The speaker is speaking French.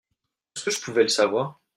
Est-ce que je pouvais le savoir ?